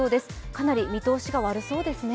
かなり見通しが悪そうですね。